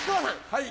はい。